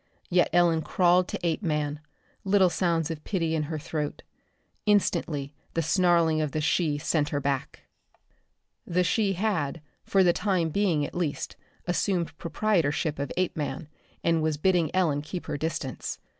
Yet Ellen crawled to Apeman, little sounds of pity in her throat. Instantly the snarling of the she sent her back. The she had, for the time being at least, assumed proprietorship of Apeman, and was bidding Ellen keep her distance.